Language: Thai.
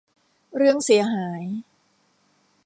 เรื่องเสียหาย